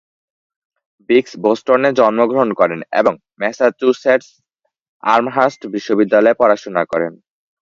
বিক্স বোস্টনে জন্মগ্রহণ করেন এবং ম্যাসাচুসেটস আমহার্স্ট বিশ্ববিদ্যালয়ে পড়াশোনা করেন।